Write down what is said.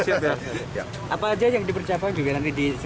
apa aja yang dipercapai